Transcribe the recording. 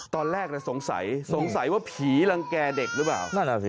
ตอนแรกน่ะที่สงสัยสงสัยว่าผีรังแก่เด็กรึเปล่า